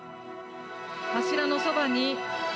柱のそばに。